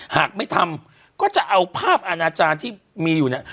หากไม่ทำก็จะเอาภาพอาณาจารย์ที่มีอยู่เนี่ย